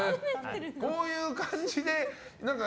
どういう感じで。